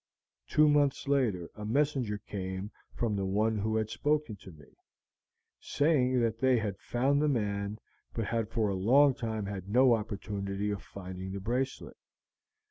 Two months later a messenger came from the one who had spoken to me, saying that they had found the man, but had for a long time had no opportunity of finding the bracelet.